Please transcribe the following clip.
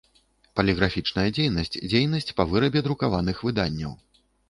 Палiграфiчная дзейнасць – дзейнасць па вырабе друкаваных выданняў.